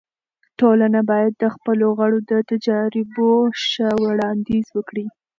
ټولنه باید د خپلو غړو د تجاريبو ښه وړاندیز وکړي.